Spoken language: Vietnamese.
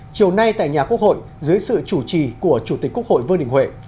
chiều nay tại nhà quốc hội dưới sự chủ trì của chủ tịch quốc hội vương đình huệ